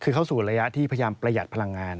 คือเข้าสู่ระยะที่พยายามประหยัดพลังงาน